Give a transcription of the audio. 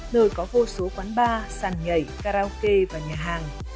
nơi có vô số quán bar sàn nhảy karaoke và nhà hàng